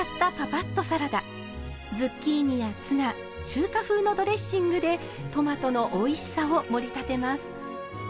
ズッキーニやツナ中華風のドレッシングでトマトのおいしさをもり立てます。